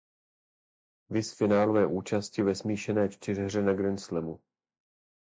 Viz Finálové účasti ve smíšené čtyřhře na grandslamu.